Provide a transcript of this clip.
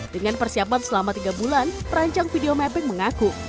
dengan persiapan selama tiga bulan perancang video mapping mengaku